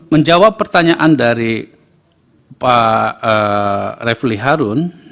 menjawab pertanyaan dari pak refli harun